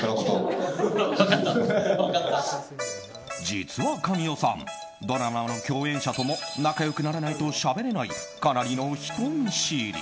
実は神尾さんドラマの共演者とも仲良くならないとしゃべれないかなりの人見知り。